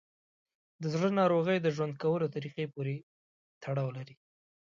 د زړه ناروغۍ د ژوند کولو طریقه پورې تړاو لري.